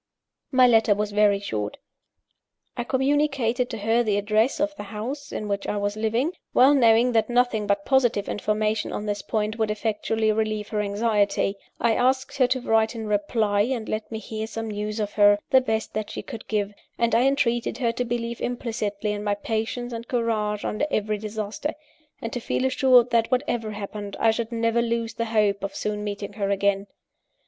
My letter was very short. I communicated to her the address of the house in which I was living (well knowing that nothing but positive information on this point would effectually relieve her anxiety) I asked her to write in reply, and let me hear some news of her, the best that she could give and I entreated her to believe implicitly in my patience and courage under every disaster; and to feel assured that, whatever happened, I should never lose the hope of soon meeting her again.